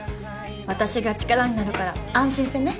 私が力になるから安心してね。